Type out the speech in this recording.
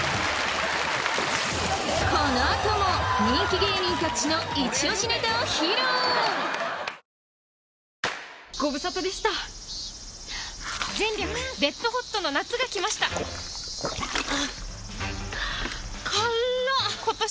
このあとも人気芸人たちのいち押しネタを披露さあ